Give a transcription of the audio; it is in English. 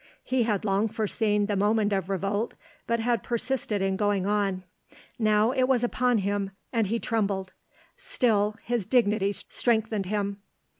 He had long foreseen the moment of revolt, but had persisted in going on. Now it was upon him, and he trembled; still, his dignity strengthened him.